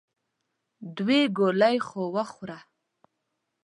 دوې ګولې خو وخوره !